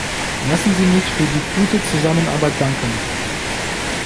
Lassen Sie mich für die gute Zusammenarbeit danken.